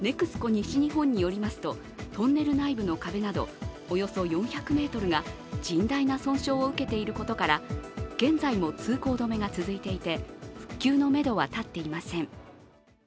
西日本によりますとトンネル内部の壁などおよそ４００ｍが甚大な損傷を受けていることから現在も通行止めが続いていて復旧のめどは立っていません。